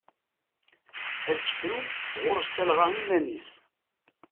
Asefru ɣur-s talɣa iman-is.